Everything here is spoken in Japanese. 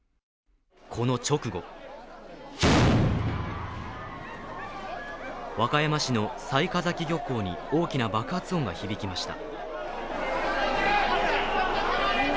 この直後和歌山市の雑賀崎漁港に大きな爆発音が響きました。